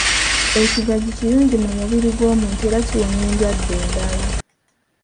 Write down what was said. Ekigagi kirungi mu mubiri gw’omuntu era kiwonya endwadde endala.